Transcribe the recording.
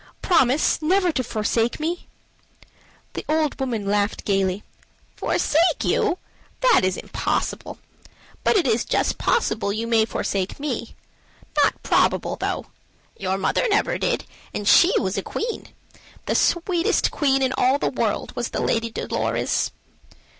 Promise never to forsake me!" The little old woman laughed gayly. "Forsake you? that is impossible. But it is just possible you may forsake me. Not probable though. Your mother never did, and she was a queen. The sweetest queen in all the world was the Lady Dolorez."